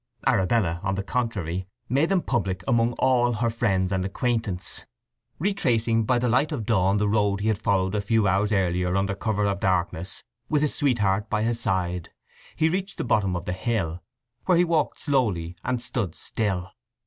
Arabella, on the contrary, made them public among all her friends and acquaintances. Retracing by the light of dawn the road he had followed a few hours earlier under cover of darkness, with his sweetheart by his side, he reached the bottom of the hill, where he walked slowly, and stood still.